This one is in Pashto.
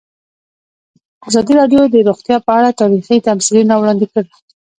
ازادي راډیو د روغتیا په اړه تاریخي تمثیلونه وړاندې کړي.